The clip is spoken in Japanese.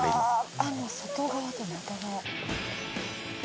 あの外側と中側。